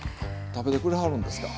食べてくれはるんですか？